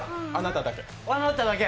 あなただけ。